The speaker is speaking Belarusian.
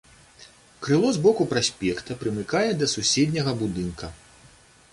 Крыло з боку праспекта прымыкае да суседняга будынка.